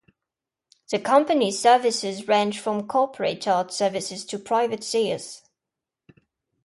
The company's services range from corporate art services to private sales.